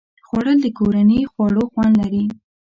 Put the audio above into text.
خوړل د کورني خواړو خوند لري